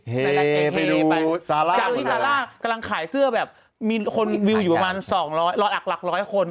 เฮ้ยไปดูซาร่ากำลังขายเสื้อแบบมีคนอยู่ประมาณสองร้อยหลักหลักร้อยคน